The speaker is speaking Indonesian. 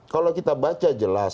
kalau kita baca jelas